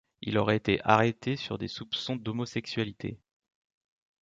Il aurait été arrêté sur des soupçons d'homosexualité.